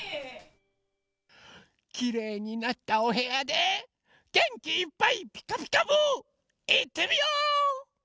きれいになったおへやでげんきいっぱい「ピカピカブ！」いってみよう！